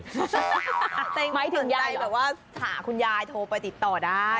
ไม้ถึงยายเหรอแต่ยายเป็นกำลังใจแบบว่าหาคุณยายโทรไปติดต่อได้